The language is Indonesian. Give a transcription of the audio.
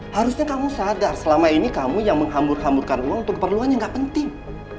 harusnya kamu sadar selama ini kamu yang menghambur hamburkan uang untuk keperluan yang gak penting